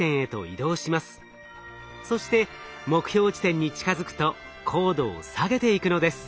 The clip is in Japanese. そして目標地点に近づくと高度を下げていくのです。